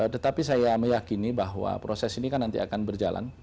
tetapi saya meyakini bahwa proses ini kan nanti akan berjalan